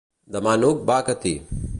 Demà n'Hug va a Catí.